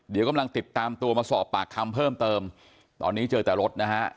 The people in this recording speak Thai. เดี๋ยวกำลังติดตามตัวมาสอบปากคำเพิ่มเติมตอนนี้เจอแต่รถนะฮะ